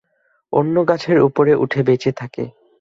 অন্য গাছের উপরে উঠে বেচে থাকে।